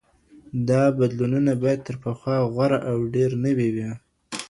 دا بدلونونه باید تر پخوا غوره او ډېر نوي وي.